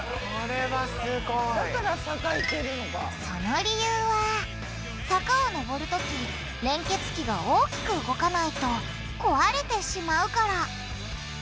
その理由は坂をのぼるとき連結器が大きく動かないと壊れてしまうから。